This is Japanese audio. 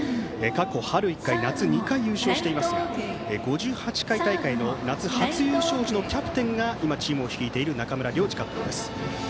過去春１回、夏２回優勝していますが５８回大会の夏初優勝時のキャプテンが今、チームを率いている中村良二監督です。